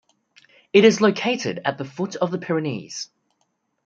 It is located at the foot of the Pyrenees.